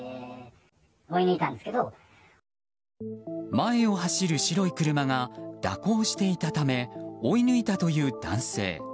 前を走る白い車が蛇行していたため追い抜いたという男性。